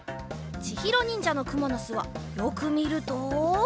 ちひろにんじゃのくものすはよくみると。